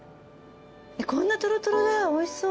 こんなトロトロだよおいしそう。